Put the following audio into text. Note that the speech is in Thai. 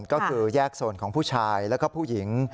ก็คือแยกโซนของผู้ชายแล้วก็ผู้หญิง